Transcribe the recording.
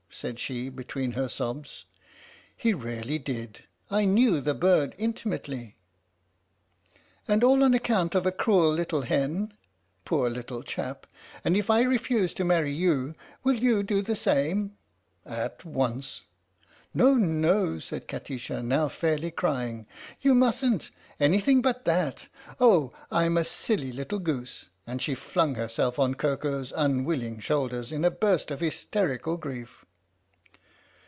said she between her sobs. " He really did! I knew the bird intimately/' "And all on account of a cruel little hen? Poor little chap! And and if I refuse to marry you, will you do the same? " "At once!" " No, no," said Kati sha, now fairly crying ;" you in THE STORY OF THE MIKADO mustn't! Anything but that! Oh, I'm a silly little goose! " And she flung herself on Koko's unwilling shoulders in a burst of hysterical grief.